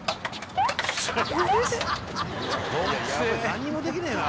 何にもできねえな。